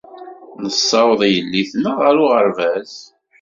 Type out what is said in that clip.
Nessaweḍ yelli-tneɣ ɣer uɣerbaz.